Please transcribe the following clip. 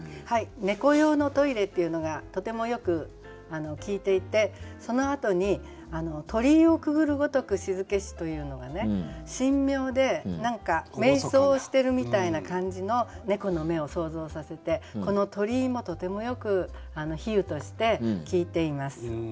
「ねこ用のトイレ」っていうのがとてもよく効いていてそのあとに「鳥居をくぐるごとくしづけし」というのがね神妙で何かめい想してるみたいな感じの猫の目を想像させてこの「鳥居」もとてもよく比喩として効いています。